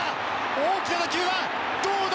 大きな打球はどうだ？